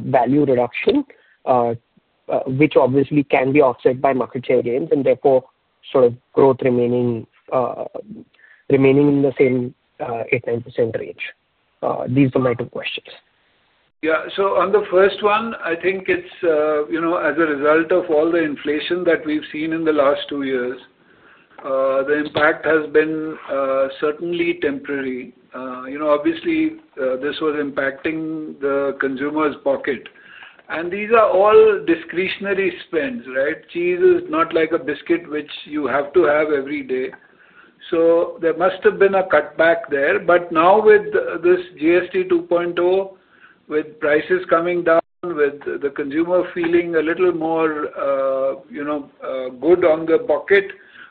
value reduction? Which obviously can be offset by market share gains, and therefore sort of growth remaining in the same 8%, 9% range? These are my two questions. Yeah. On the first one, I think it's, as a result of all the inflation that we've seen in the last two years, the impact has been certainly temporary. Obviously, this was impacting the consumer's pocket. These are all discretionary spends, right? Cheese is not like a biscuit, which you have to have every day. There must have been a cutback there. Now with this GST 2.0, with prices coming down, with the consumer feeling a little more good on their pocket,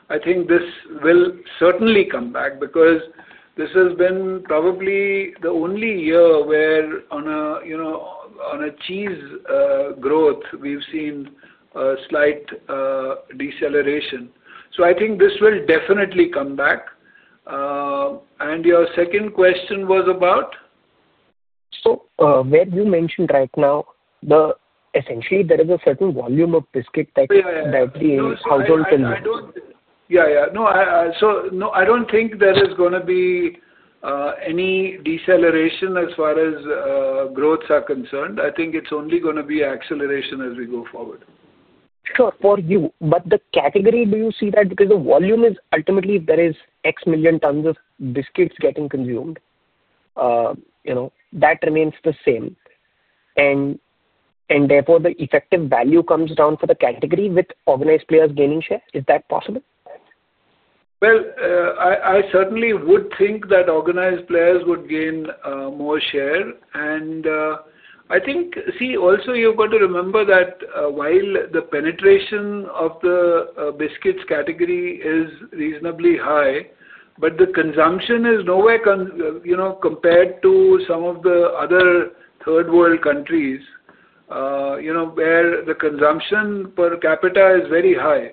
I think this will certainly come back because this has been probably the only year where on a cheese growth, we've seen a slight deceleration. I think this will definitely come back. Your second question was about? Where you mentioned right now, essentially, there is a certain volume of biscuit that the household consumer. Yeah. Yeah. No. No, I do not think there is going to be any deceleration as far as growths are concerned. I think it is only going to be acceleration as we go forward. Sure. For you. But the category, do you see that because the volume is ultimately, there is X million tons of biscuits getting consumed. That remains the same. Therefore, the effective value comes down for the category with organized players gaining share. Is that possible? I certainly would think that organized players would gain more share. I think, see, also you have got to remember that while the penetration of the biscuits category is reasonably high, the consumption is nowhere compared to some of the other third-world countries, where the consumption per capita is very high.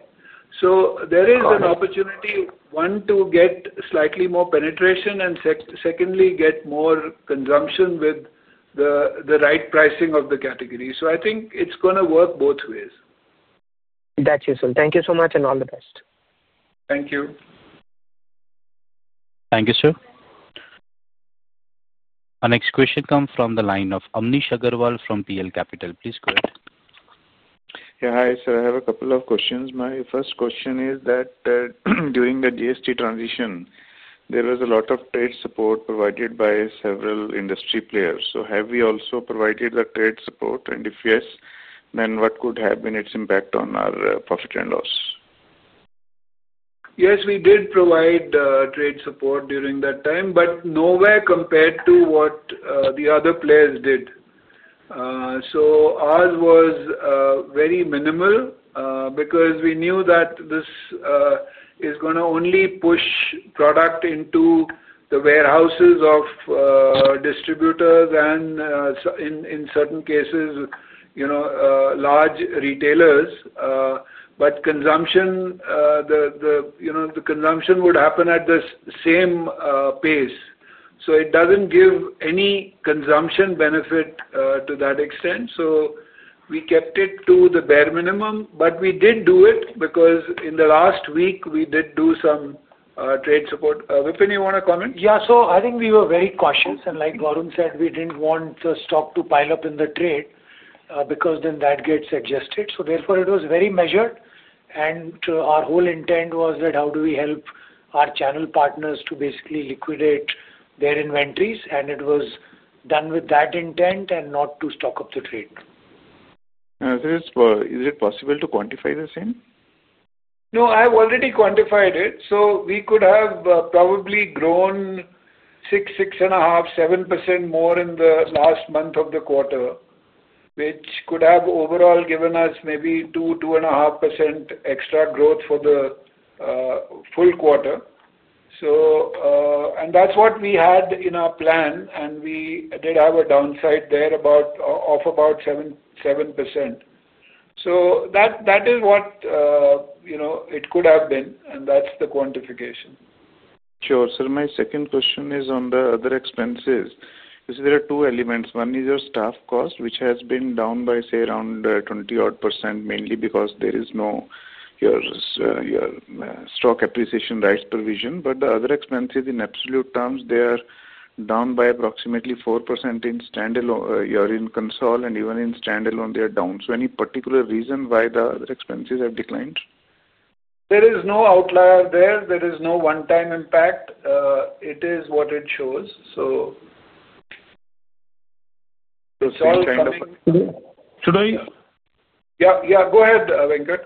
There is an opportunity, one, to get slightly more penetration and, secondly, get more consumption with the right pricing of the category. I think it is going to work both ways. That's useful. Thank you so much and all the best. Thank you. Thank you, sir. Our next question comes from the line of Amnish Aggarwal from PL Capital. Please go ahead. Yeah. Hi, sir. I have a couple of questions. My first question is that during the GST transition, there was a lot of trade support provided by several industry players. Have we also provided the trade support? If yes, then what could have been its impact on our profit and loss? Yes, we did provide trade support during that time, but nowhere compared to what the other players did. Ours was very minimal because we knew that this is going to only push product into the warehouses of distributors and, in certain cases, large retailers. Consumption would happen at the same pace. It does not give any consumption benefit to that extent. We kept it to the bare minimum. We did do it because in the last week, we did do some trade support. Vipin, you want to comment? Yeah. I think we were very cautious. Like Varun said, we did not want the stock to pile up in the trade because then that gets adjusted. Therefore, it was very measured. Our whole intent was that how do we help our channel partners to basically liquidate their inventories? It was done with that intent and not to stock up the trade. Is it possible to quantify the same? No, I have already quantified it. We could have probably grown 6%, 6.5%, 7% more in the last month of the quarter, which could have overall given us maybe 2%, 2.5% extra growth for the full quarter. That is what we had in our plan. We did have a downside there of about 7%. That is what it could have been, and that is the quantification. Sure, sir. My second question is on the other expenses. You see, there are two elements. One is your staff cost, which has been down by, say, around 20%, mainly because there is no, your, stock appreciation rights provision. The other expenses, in absolute terms, they are down by approximately 4% in standalone or in console. Even in standalone, they are down. Any particular reason why the other expenses have declined? There is no outlier there. There is no one-time impact. It is what it shows. It's kind of. (crosstalk) Should I? Yeah. Yeah. Go ahead, Venkat.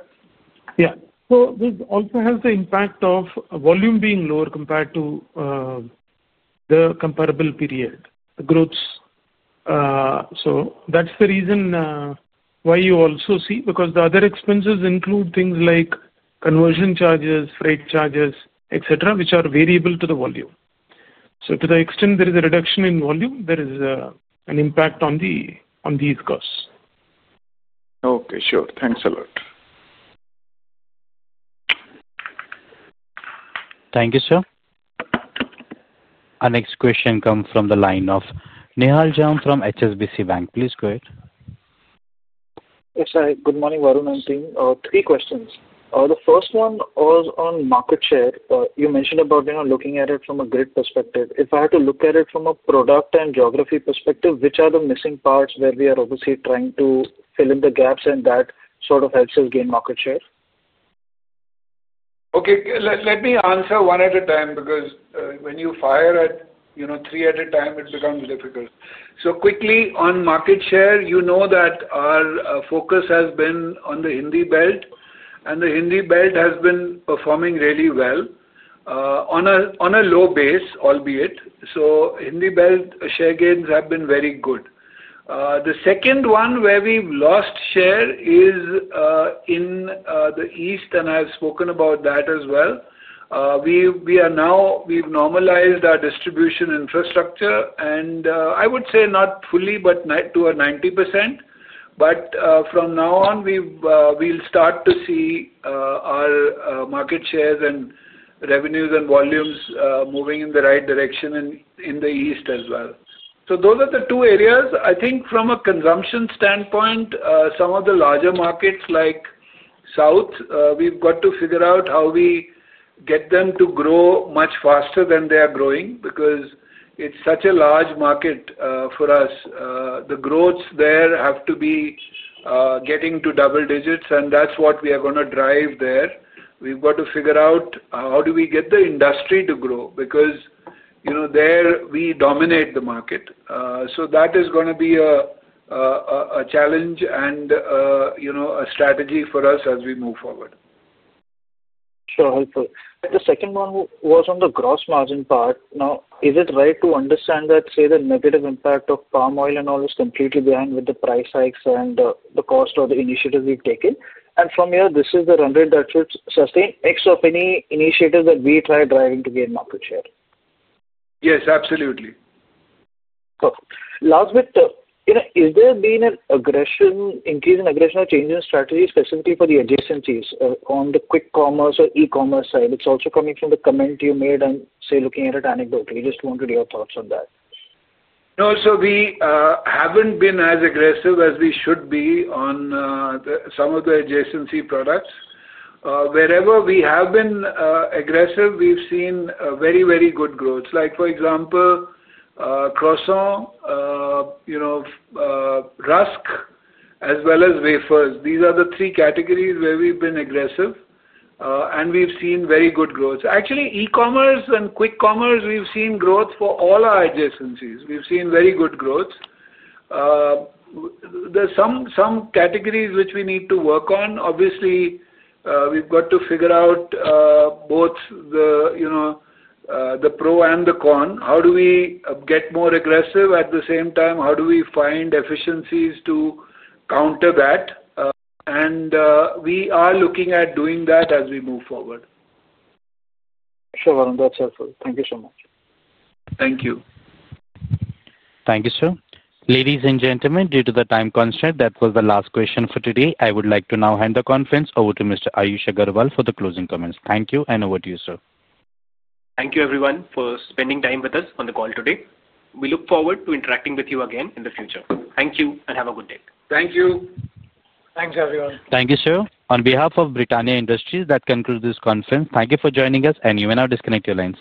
Yeah. So this also has the impact of volume being lower compared to the comparable period, the growth. That's the reason why you also see, because the other expenses include things like conversion charges, freight charges, etc., which are variable to the volume. To the extent there is a reduction in volume, there is an impact on these costs. Okay. Sure. Thanks a lot. Thank you, sir. Our next question comes from the line of Nihal Jham from HSBC Bank. Please go ahead. Yes, hi. Good morning, Varun and team. Three questions. The first one was on market share. You mentioned about looking at it from a grid perspective. If I had to look at it from a product and geography perspective, which are the missing parts where we are obviously trying to fill in the gaps and that sort of helps us gain market share? Okay. Let me answer one at a time because when you fire at three at a time, it becomes difficult. Quickly, on market share, you know that our focus has been on the Hindi Belt. The Hindi Belt has been performing really well, on a low base, albeit. Hindi Belt share gains have been very good. The second one where we have lost share is in the east, and I have spoken about that as well. We have normalized our distribution infrastructure, and I would say not fully, but to a 90%. From now on, we will start to see our market shares and revenues and volumes moving in the right direction in the east as well. Those are the two areas. I think from a consumption standpoint, some of the larger markets like South, we've got to figure out how we get them to grow much faster than they are growing because it's such a large market for us. The growths there have to be getting to double digits, and that's what we are going to drive there. We've got to figure out how do we get the industry to grow because there we dominate the market. That is going to be a challenge and a strategy for us as we move forward. Sure. Helpful. The second one was on the gross margin part. Now, is it right to understand that, say, the negative impact of palm oil and all is completely behind with the price hikes and the cost of the initiatives we've taken? From here, this is the run rate that should sustain X of any initiative that we try driving to gain market share? Yes, absolutely. Perfect. Last bit. Has there been an increase in aggression or change in strategy specifically for the adjacencies on the quick commerce or e-commerce side? It is also coming from the comment you made on, say, looking at it anecdotally. Just wanted your thoughts on that. No. So we have not been as aggressive as we should be on some of the adjacency products. Wherever we have been aggressive, we have seen very, very good growth. Like, for example, croissant, rusk, as well as wafers. These are the three categories where we have been aggressive, and we have seen very good growth. Actually, e-commerce and quick commerce, we have seen growth for all our adjacencies. We have seen very good growth. There are some categories which we need to work on. Obviously, we have got to figure out both the pro and the con. How do we get more aggressive at the same time? How do we find efficiencies to counter that? And we are looking at doing that as we move forward. Sure, Varun. That's helpful. Thank you so much. Thank you. Thank you, sir. Ladies and gentlemen, due to the time constraints, that was the last question for today. I would like to now hand the conference over to Mr. Ayush Agarwal for the closing comments. Thank you. Over to you, sir. Thank you, everyone, for spending time with us on the call today. We look forward to interacting with you again in the future. Thank you and have a good day. Thank you. Thanks, everyone. Thank you, sir. On behalf of Britannia Industries, that concludes this conference. Thank you for joining us. You may now disconnect your lines.